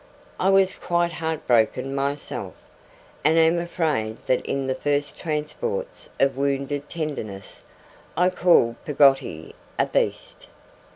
I was quite heart broken myself, and am afraid that in the first transports of wounded tenderness I called Peggotty a 'Beast'.